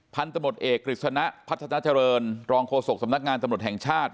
พันธมตเอกกฤษณะพัฒนาเจริญรองโฆษกสำนักงานตำรวจแห่งชาติ